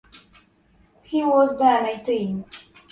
He was then eighteen.